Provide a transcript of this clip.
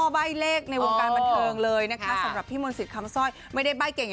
บ้ายหวยต้องอุ่มหมากกับบ้ามเฮาเลยหรอ